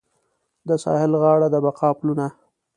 د ساحل غاړه د بقا پلونه